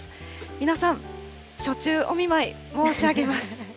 皆さん、暑中お見舞い申し上げます。